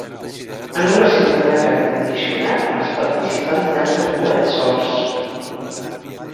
En un recinte tancat i condicionat, els participants llancen coets solts.